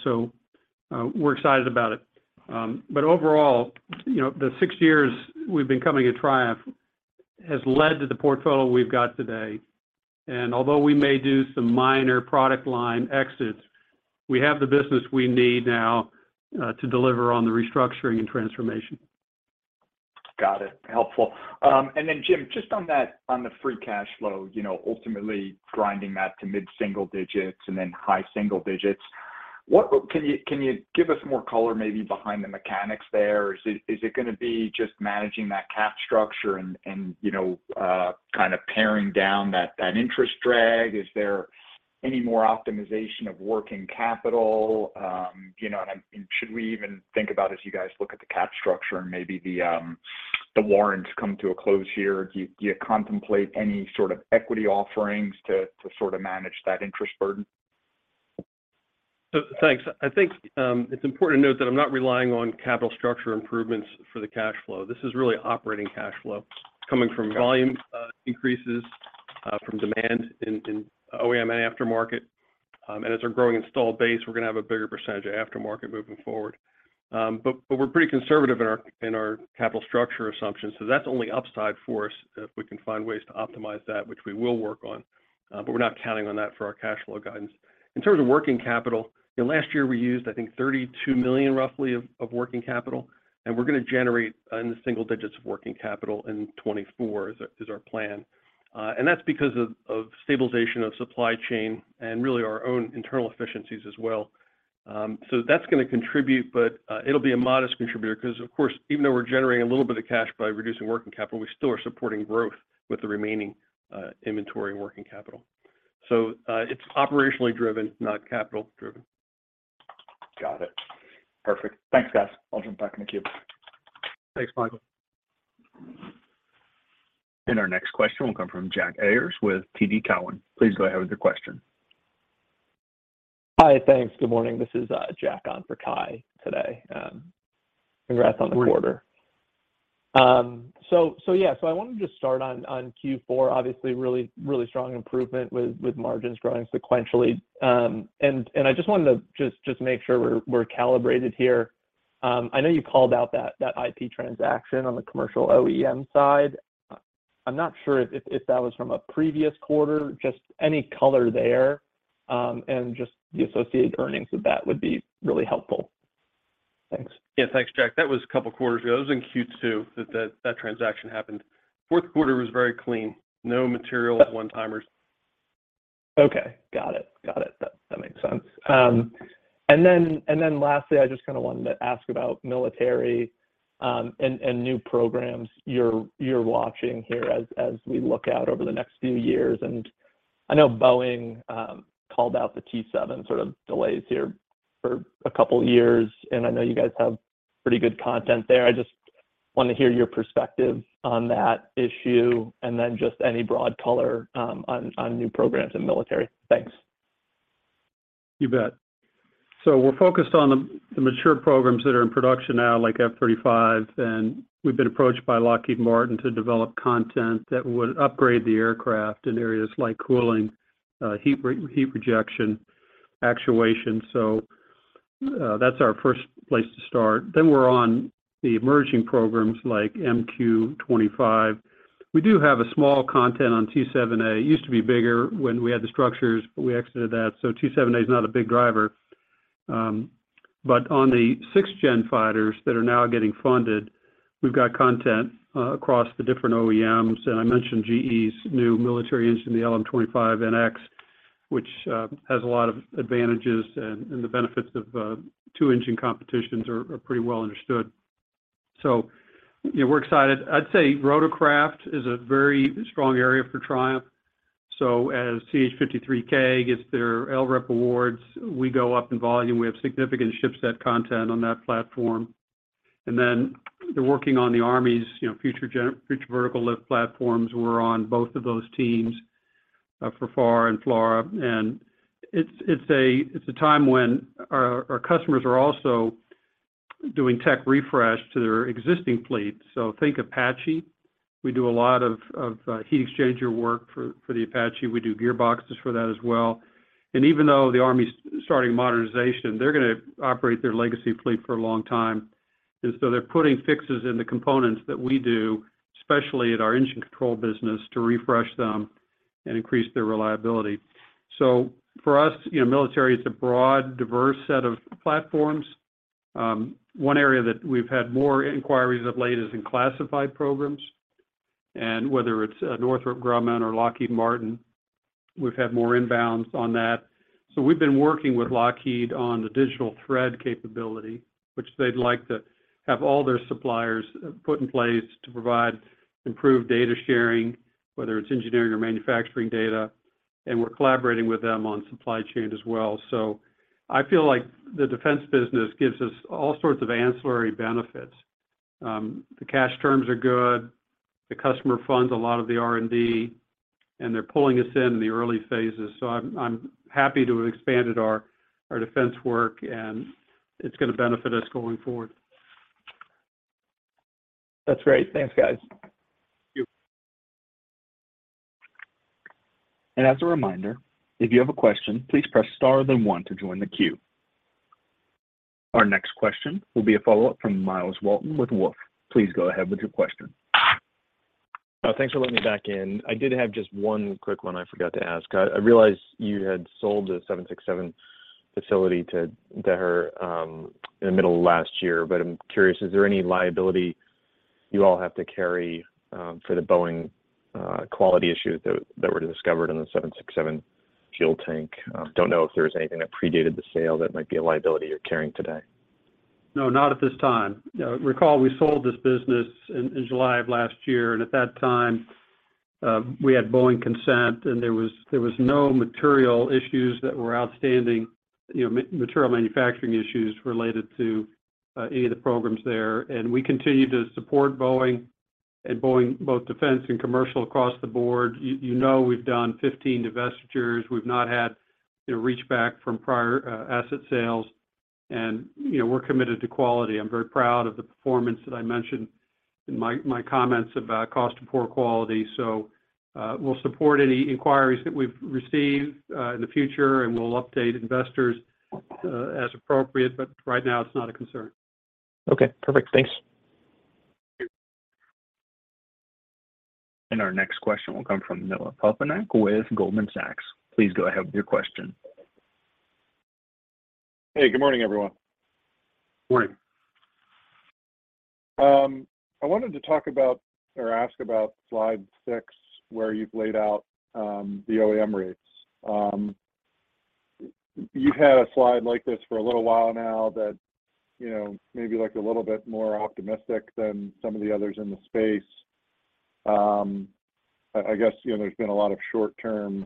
Speaker 3: We're excited about it. Overall, you know, the six years we've been coming to Triumph has led to the portfolio we've got today. Although we may do some minor product line exits, we have the business we need now to deliver on the restructuring and transformation.
Speaker 9: Got it. Helpful. Then Jim, just on the free cash flow, you know, ultimately grinding that to mid-single digits and then high single digits, can you give us more color maybe behind the mechanics there? Is it gonna be just managing that cap structure and, you know, kind of paring down that interest drag? Is there any more optimization of working capital? You know, should we even think about as you guys look at the cap structure and maybe the warrants come to a close here, do you contemplate any sort of equity offerings to sort of manage that interest burden?
Speaker 4: Thanks. I think, it's important to note that I'm not relying on capital structure improvements for the cash flow. This is really operating cash flow. It's coming from volume increases from demand in OEM and aftermarket. And as our growing installed base, we're gonna have a bigger percentage of aftermarket moving forward. But we're pretty conservative in our capital structure assumptions, so that's only upside for us if we can find ways to optimize that, which we will work on, but we're not counting on that for our cash flow guidance. In terms of working capital, you know, last year we used, I think, $32 million roughly of working capital, and we're gonna generate in the single digits of working capital in 2024 is our plan. That's because of stabilization of supply chain and really our own internal efficiencies as well. That's gonna contribute, but it'll be a modest contributor 'cause, of course, even though we're generating a little bit of cash by reducing working capital, we still are supporting growth with the remaining inventory and working capital. It's operationally driven, not capital driven.
Speaker 9: Got it. Perfect. Thanks, guys. I'll jump back in the queue.
Speaker 3: Thanks, Michael.
Speaker 1: Our next question will come from Jack Ayers with TD Cowen. Please go ahead with your question.
Speaker 10: Hi. Thanks. Good morning. This is Jack Ayers on for Cai von Rumohr today. Congrats on the quarter. Yeah. I wanted to start on Q4, obviously really strong improvement with margins growing sequentially. I just wanted to make sure we're calibrated here. I know you called out that IP transaction on the commercial OEM side. I'm not sure if that was from a previous quarter, just any color there, just the associated earnings with that would be really helpful. Thanks.
Speaker 4: Yeah. Thanks, Jack. That was a couple quarters ago. It was in Q2 that transaction happened. Fourth quarter was very clean. No material one-timers.
Speaker 10: Okay. Got it. That makes sense. Lastly, I just kinda wanted to ask about military and new programs you're watching here as we look out over the next few years. I know Boeing called out the T-7 sort of delays here for a couple years, and I know you guys have pretty good content there. I just wanna hear your perspective on that issue, and then just any broad color on new programs in military. Thanks.
Speaker 3: You bet. We're focused on the mature programs that are in production now, like F-35, and we've been approached by Lockheed Martin to develop content that would upgrade the aircraft in areas like cooling, heat rejection, actuation. That's our first place to start. We're on the emerging programs like MQ-25. We do have a small content on T-7A. It used to be bigger when we had the Structures, but we exited that. T-7A is not a big driver. On the 6th-gen fighters that are now getting funded, we've got content across the different OEMs. I mentioned GE's new military engine, the LM2500, which has a lot of advantages, and the benefits of two engine competitions are pretty well understood. You know, we're excited. I'd say Rotorcraft is a very strong area for Triumph. As CH-53K gets their LRIP awards, we go up in volume. We have significant ship set content on that platform. Then they're working on the Army's, you know, future vertical lift platforms. We're on both of those teams, for FARA and FLRAA. It's, it's a, it's a time when our customers are also doing tech refresh to their existing fleet. So think Apache. We do a lot of heat exchanger work for the Apache. We do gearboxes for that as well. Even though the Army's starting modernization, they're gonna operate their legacy fleet for a long time. So they're putting fixes in the components that we do, especially at our engine control business, to refresh them and increase their reliability. For us, you know, military, it's a broad, diverse set of platforms. One area that we've had more inquiries of late is in classified programs. Whether it's Northrop Grumman or Lockheed Martin, we've had more inbounds on that. We've been working with Lockheed on the digital thread capability, which they'd like to have all their suppliers put in place to provide improved data sharing, whether it's engineering or manufacturing data, and we're collaborating with them on supply chain as well. I feel like the defense business gives us all sorts of ancillary benefits. The cash terms are good. The customer funds a lot of the R&D, and they're pulling us in in the early phases. I'm happy to have expanded our defense work, and it's gonna benefit us going forward.
Speaker 10: That's great. Thanks, guys.
Speaker 3: Thank you.
Speaker 1: As a reminder, if you have a question, please press star then one to join the queue. Our next question will be a follow-up from Myles Walton with Wolfe. Please go ahead with your question.
Speaker 7: Thanks for letting me back in. I did have just one quick one I forgot to ask. I realized you had sold the 767 facility to Daher in the middle of last year, but I'm curious, is there any liability you all have to carry for the Boeing quality issues that were discovered in the 767 fuel tank? Don't know if there was anything that predated the sale that might be a liability you're carrying today.
Speaker 3: No, not at this time. Recall we sold this business in July of last year, and at that time, we had Boeing consent, and there was no material issues that were outstanding, you know, material manufacturing issues related to any of the programs there. We continue to support Boeing, both defense and commercial across the board. You know, we've done 15 divestitures. We've not had, you know, reach back from prior asset sales. You know, we're committed to quality. I'm very proud of the performance that I mentioned in my comments about cost of poor quality. We'll support any inquiries that we've received in the future, and we'll update investors as appropriate, but right now it's not a concern.
Speaker 7: Okay. Perfect. Thanks.
Speaker 3: Thank you.
Speaker 1: Our next question will come from Noah Poponak with Goldman Sachs. Please go ahead with your question.
Speaker 11: Hey, good morning, everyone.
Speaker 3: Morning.
Speaker 11: I wanted to talk about or ask about Slide 6, where you've laid out the OEM rates. You've had a slide like this for a little while now that, you know, maybe looked a little bit more optimistic than some of the others in the space. I guess, you know, there's been a lot of short term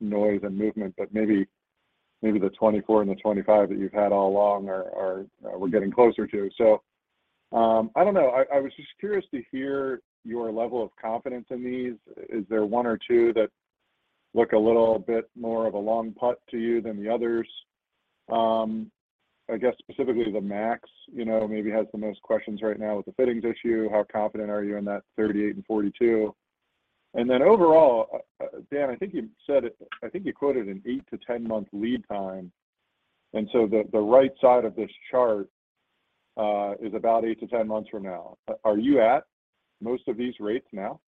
Speaker 11: noise and movement, but maybe the 2024 and the 2025 that you've had all along are we're getting closer to. I don't know. I was just curious to hear your level of confidence in these. Is there one or two that look a little bit more of a long putt to you than the others? I guess specifically the MAX, you know, maybe has the most questions right now with the fittings issue. How confident are you in that 38 and 42? Overall, Dan, I think you said it, I think you quoted an eight to 10 month lead time. The right side of this chart is about 8 to 10 months from now. Are you at most of these rates now?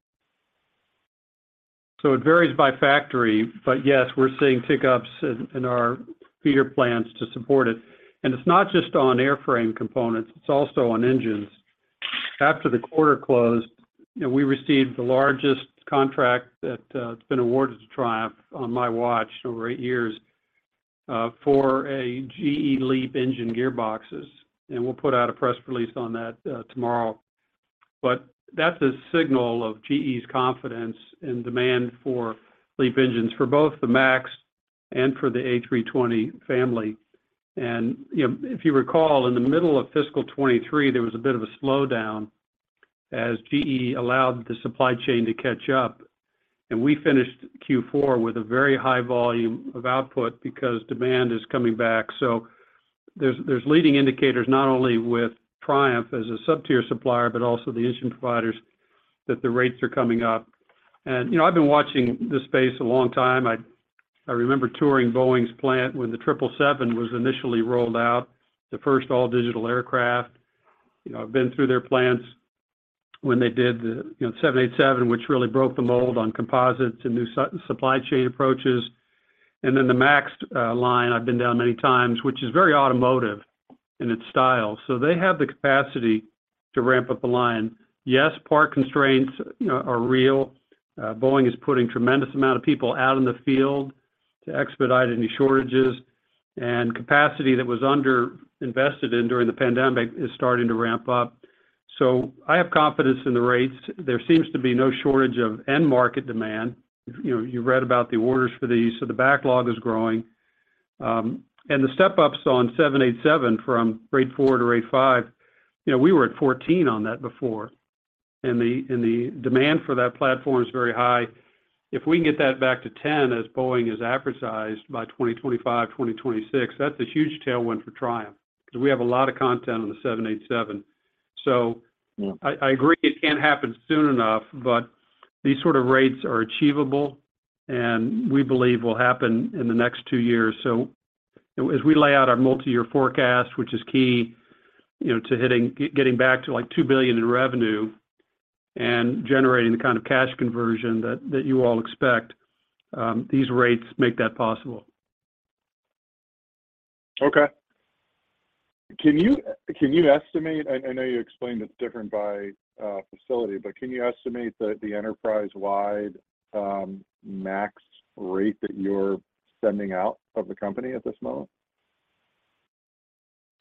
Speaker 3: It varies by factory, but yes, we're seeing tick ups in our feeder plants to support it. It's not just on airframe components, it's also on engines. After the quarter closed, you know, we received the largest contract that has been awarded to Triumph Group on my watch over eight years for a GE LEAP engine gearboxes. We'll put out a press release on that tomorrow. That's a signal of GE's confidence in demand for LEAP engines for both the MAX and for the A320 family. You know, if you recall, in the middle of fiscal 2023, there was a bit of a slowdown as GE allowed the supply chain to catch up. We finished Q4 with a very high volume of output because demand is coming back. There's leading indicators not only with Triumph as a sub-tier supplier, but also the engine providers that the rates are coming up. You know, I've been watching this space a long time. I remember touring Boeing's plant when the 777 was initially rolled out, the first all digital aircraft. You know, I've been through their plants when they did the, you know, 787, which really broke the mold on composites and new supply chain approaches. The MAX line, I've been down many times, which is very automotive in its style. They have the capacity to ramp up the line. Yes, part constraints, you know, are real. Boeing is putting tremendous amount of people out in the field to expedite any shortages. Capacity that was underinvested in during the pandemic is starting to ramp up. I have confidence in the rates. There seems to be no shortage of end market demand. You know, you've read about the orders for these, the backlog is growing. The step-ups on 787 from rate four to rate five, you know, we were at 14 on that before. The demand for that platform is very high. If we can get that back to 10 as Boeing has advertised by 2025, 2026, that's a huge tailwind for Triumph 'cause we have a lot of content on the 787. I agree it can't happen soon enough, but these sort of rates are achievable and we believe will happen in the next two years. As we lay out our multi-year forecast, which is key, you know, to hitting getting back to, like, $2 billion in revenue and generating the kind of cash conversion that you all expect, these rates make that possible.
Speaker 11: Okay. Can you estimate, I know you explained it's different by facility, but can you estimate the enterprise-wide max rate that you're sending out of the company at this moment?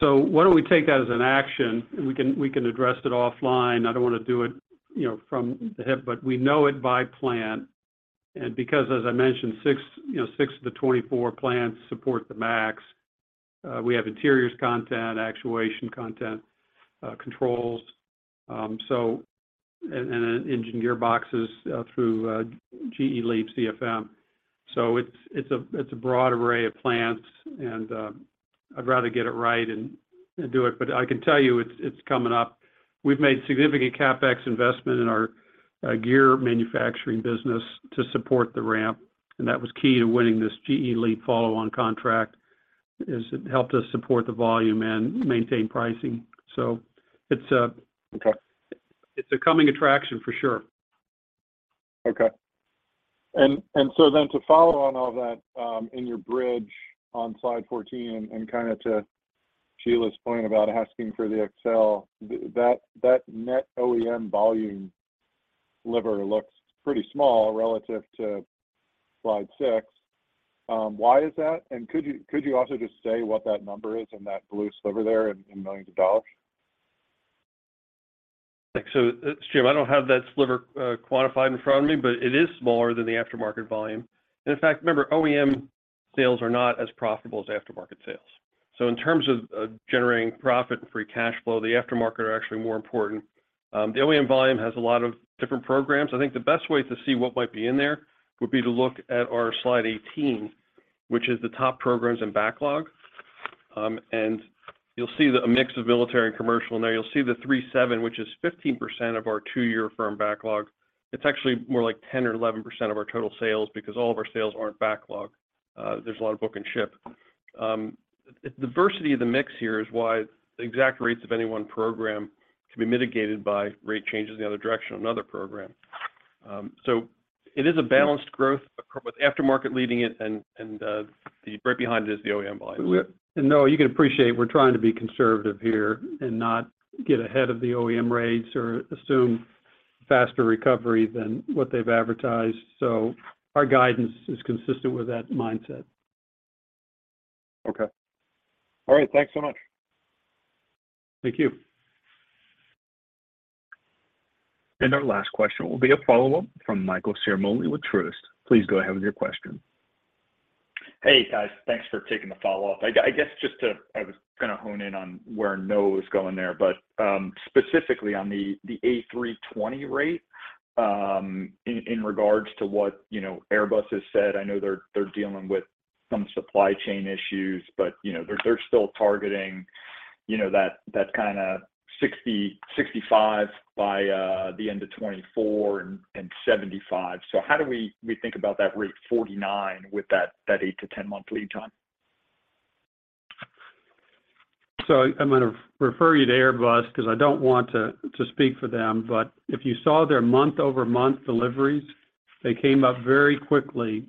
Speaker 3: Why don't we take that as an action, and we can address it offline. I don't wanna do it, you know, from the hip, we know it by plant. Because, as I mentioned, six of the 24 plants support the MAX. We have Interiors content, actuation content, controls, so and engine gearboxes through GE LEAP CFM. It's a broad array of plants, and I'd rather get it right and do it. I can tell you it's coming up. We've made significant CapEx investment in our gear manufacturing business to support the ramp, and that was key to winning this GE LEAP follow-on contract, is it helped us support the volume and maintain pricing. It's a-.
Speaker 11: Okay....
Speaker 3: it's a coming attraction for sure.
Speaker 11: Okay. To follow on all that, in your bridge on Slide 14 and kind of to Sheila's point about asking for the Excel, that net OEM volume sliver looks pretty small relative to Slide 6. Why is that? Could you also just say what that number is in that blue sliver there in millions of dollars?
Speaker 4: Thanks. Jim, I don't have that sliver quantified in front of me, but it is smaller than the aftermarket volume. In fact, remember, OEM sales are not as profitable as aftermarket sales. In terms of generating profit and free cash flow, the aftermarket are actually more important. The OEM volume has a lot of different programs. I think the best way to see what might be in there would be to look at our Slide 18, which is the top programs and backlog. You'll see a mix of military and commercial in there. You'll see the 737, which is 15% of our two year firm backlog. It's actually more like 10% or 11% of our total sales because all of our sales aren't backlogged. There's a lot of book and ship. The diversity of the mix here is why the exact rates of any one program can be mitigated by rate changes in the other direction on another program. It is a balanced growth with aftermarket leading it and the right behind it is the OEM volume.
Speaker 3: Noah, you can appreciate we're trying to be conservative here and not get ahead of the OEM rates or assume faster recovery than what they've advertised. Our guidance is consistent with that mindset.
Speaker 11: Okay. All right. Thanks so much.
Speaker 3: Thank you.
Speaker 1: Our last question will be a follow-up from Michael Ciarmoli with Truist. Please go ahead with your question?
Speaker 9: Hey, guys. Thanks for taking the follow-up. I guess just to I was gonna hone in on where Noah was going there, specifically on the A320 rate, in regards to what, you know, Airbus has said, I know they're dealing with some supply chain issues, but, you know, they're still targeting, you know, that kinda 60, 65 by the end of 2024 and 75. How do we think about that rate 49 with that eight to 10-month lead time?
Speaker 3: I'm gonna refer you to Airbus 'cause I don't want to speak for them. If you saw their month-over-month deliveries, they came up very quickly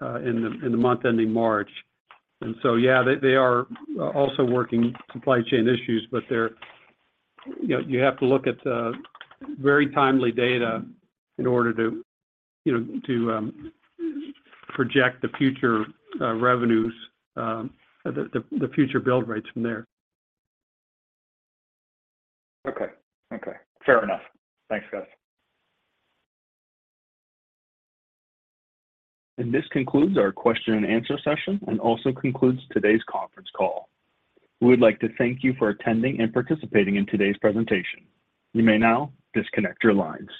Speaker 3: in the month ending March. Yeah, they are also working supply chain issues, but they're... You know, you have to look at very timely data in order to, you know, to project the future revenues, the future build rates from there.
Speaker 9: Okay. Fair enough. Thanks, guys.
Speaker 1: This concludes our question and answer session, and also concludes today's conference call. We would like to thank you for attending and participating in today's presentation. You may now disconnect your lines.